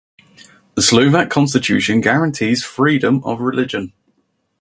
The Slovak constitution guarantees freedom of religion.